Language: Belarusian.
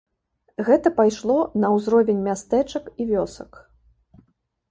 Гэта пайшло на ўзровень мястэчак і вёсак.